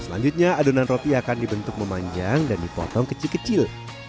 selanjutnya adonan roti akan dibentuk memanjang dan dipotong kecil kecil